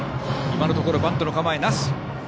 今のところ、バントの構えはなし。